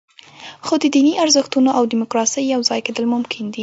خو د دیني ارزښتونو او دیموکراسۍ یوځای کېدل ممکن دي.